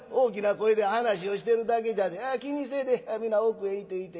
気にせえで皆奥へ行って行って。